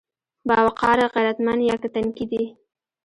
باوقاره، غيرتمن يا که تنکي دي؟